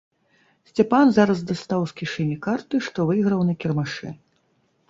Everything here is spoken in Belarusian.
Сцяпан зараз дастаў з кішэні карты, што выйграў на кірмашы.